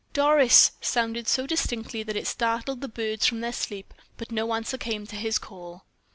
"Doris!" sounded so distinctly that it startled the birds from their sleep; but no answer came to his call.